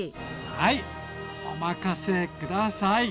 はいお任せ下さい！